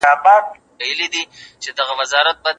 ناروغیو په وړاندې وقایه د ورزش سره کیږي.